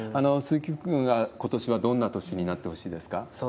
鈴木福君は、ことしはどんな年になってほしいですか？